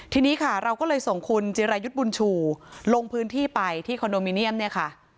ทีนี้ค่ะเราก็เลยส่งคุณจิรายุทธ์บุญชูลงพื้นที่ไปที่คอนโดมิเนียมเนี่ยค่ะ